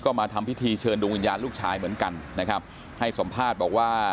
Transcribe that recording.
ก็มาทำพิธีเชิญดวงวิญญาณลูกชายเหมือนกันนะครับให้สัมภาษณ์บอกว่า